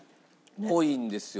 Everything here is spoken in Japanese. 濃いんですよ。